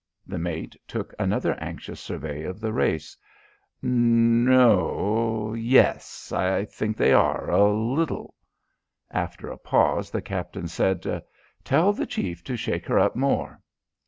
The mate took another anxious survey of the race. "No o yes, I think they are a little." After a pause the captain said: "Tell the chief to shake her up more."